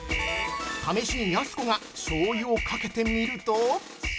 試しに、やす子が、醤油をかけてみると。